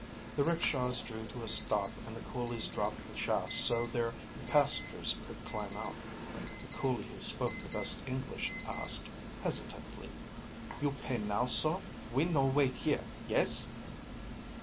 The rickshaws drew to a stop and the coolies dropped the shafts so their passengers could climb out. The coolie who spoke the best English asked, hesitantly, "You pay now, sor? We no wait here, yes?"